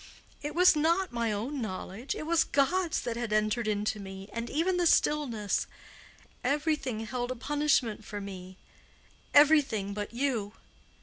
—it was not my own knowledge, it was God's that had entered into me, and even the stillness—everything held a punishment for me—everything but you.